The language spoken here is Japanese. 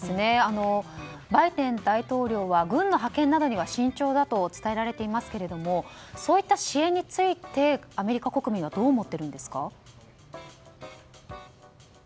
バイデン大統領は軍の派遣などには慎重だと伝えられていますけれどそういった支援についてアメリカ国民はどう思っているんですか？